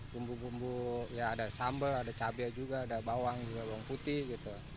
bumbu bumbu ya ada sambal ada cabai juga ada bawang juga bawang putih gitu